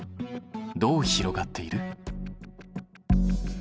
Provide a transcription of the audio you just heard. どう広がっている？